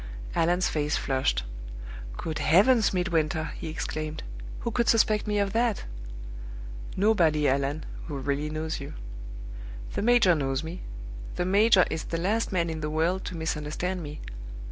Allan's face flushed. "Good heavens, Midwinter," he exclaimed, "who could suspect me of that?" "Nobody, Allan, who really knows you." "The major knows me. The major is the last man in the world to misunderstand me.